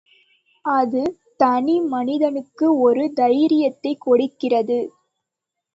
அது தனிமனிதனுக்கு ஒரு தைரியத்தைக் கொடுக்கிறது.